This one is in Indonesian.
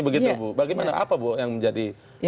begitu bu bagaimana apa bu yang menjadi